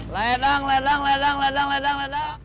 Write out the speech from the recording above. ledang ledang ledang ledang